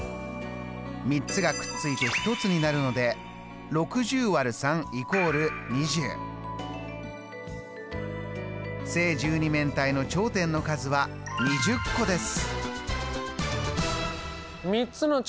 ３つがくっついて１つになるので正十二面体の頂点の数は２０個です。